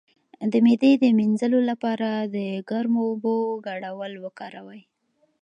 د معدې د مینځلو لپاره د ګرمو اوبو ګډول وکاروئ